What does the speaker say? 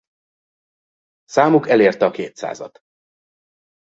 Számuk elérte a kétszázat.